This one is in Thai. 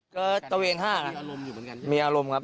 ก็ตะเวนห้าครับอารมณ์อยู่เหมือนกันมีอารมณ์ครับ